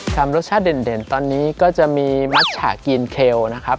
รสชาติเด่นตอนนี้ก็จะมีมัชฉะกีนเคลนะครับ